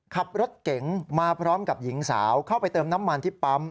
ขับรถเก๋งมาพร้อมกับหญิงสาวเข้าไปเติมน้ำมันที่ปั๊ม